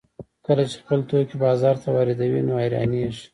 کله چې خپل توکي بازار ته واردوي نو حیرانېږي